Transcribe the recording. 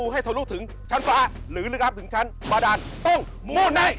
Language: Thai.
ให้ทรุกถึงชั้นฟ้าหรือรึรับถึงชั้นบรรดาตรตรงมุ่นไหน